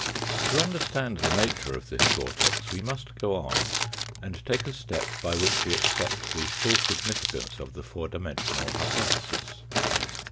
To understand the nature of this vortex, we must go on and take a step by which we accept the full signifi cance of the four dimensional hypothesis.